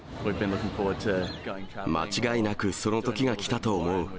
間違いなくその時が来たと思う。